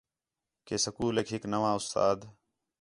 کہ سکولیک ہِک نواں اُستاد